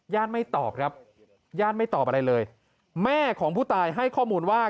ไม่ตอบครับญาติไม่ตอบอะไรเลยแม่ของผู้ตายให้ข้อมูลว่า